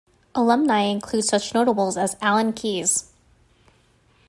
Alumni include such notables as Alan Keyes.